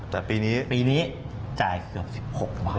แต่ปีนี้ปีนี้จ่ายเกือบ๑๖บาท